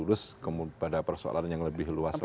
terus kemudian ditarik pada persoalan yang lebih luas lagi